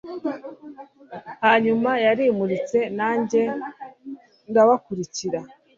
Hanyuma yarimutse nanjye ndabakurikira